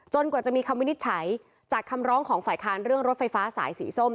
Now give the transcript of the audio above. กว่าจะมีคำวินิจฉัยจากคำร้องของฝ่ายค้านเรื่องรถไฟฟ้าสายสีส้ม